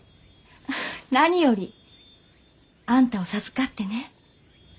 フフ何よりあんたを授かってね。